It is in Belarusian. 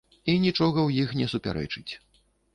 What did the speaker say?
І нічога ў іх не супярэчыць.